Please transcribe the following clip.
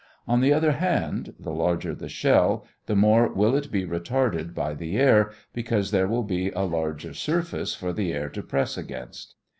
On the other hand, the larger the shell, the more will it be retarded by the air, because there will be a larger surface for the air to press against.